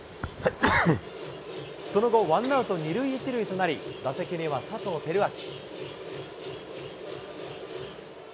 その後、ワンアウト２塁１塁となり、打席には佐藤輝明。